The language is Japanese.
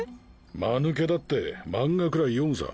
間抜けだって漫画くらい読むさ。